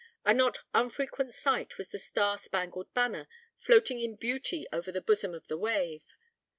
A not unfrequent sight was the star spangled banner floating in beauty over the bosom of the wave.